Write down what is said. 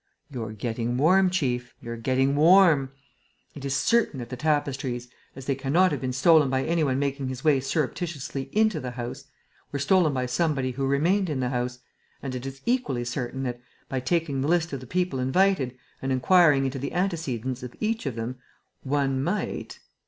"You're getting warm, chief, you're getting warm! It is certain that the tapestries, as they cannot have been stolen by any one making his way surreptitiously into the house, were stolen by somebody who remained in the house; and it is equally certain that, by taking the list of the people invited and inquiring into the antecedents of each of them, one might...."